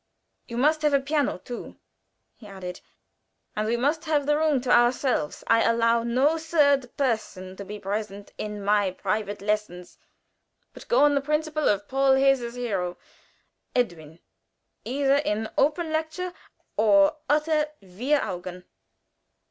"You must have a piano, too," he added; "and we must have the room to ourselves. I allow no third person to be present in my private lessons, but go on the principle of Paul Heyse's hero, Edwin, either in open lecture, or unter vier Augen."